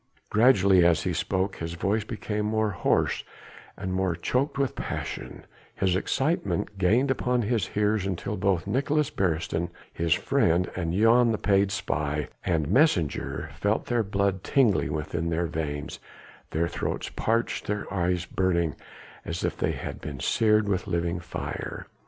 Gradually as he spoke his voice became more hoarse and more choked with passion; his excitement gained upon his hearers until both Nicolaes Beresteyn his friend and Jan the paid spy and messenger felt their blood tingling within their veins, their throats parched, their eyes burning as if they had been seared with living fire.